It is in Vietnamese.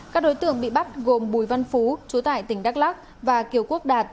các đối tượng bị bắt gồm bùi văn phú chú tại tỉnh đắk lắc và kiều quốc đạt